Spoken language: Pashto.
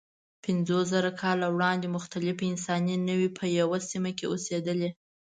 پنځوسزره کاله وړاندې مختلفې انساني نوعې په یوه سیمه کې اوسېدلې.